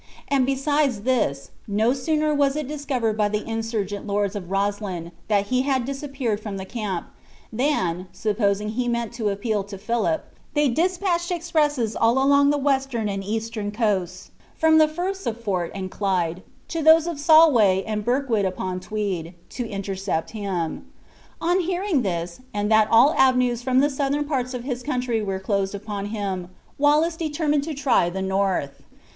And besides this, no sooner was it discovered by the insurgent lords at Roslyn that he had disappeared from the camp, than, supposing he meant to appeal to Philip, they dispatched expresses all along the western and eastern coasts, from the Friths of Forth and Clyde to those of Solway and Berwick upon Tweed, to intercept him. On hearing this, and that all avenues from the southern parts of his country were closed upon him, Wallace determined to try the north.